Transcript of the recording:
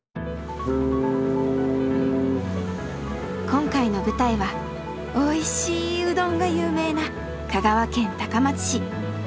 今回の舞台はおいしいうどんが有名な香川県高松市。